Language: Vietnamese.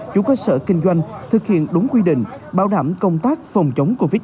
chủ cơ sở kinh doanh thực hiện đúng quy định bảo đảm công tác phòng chống covid một mươi chín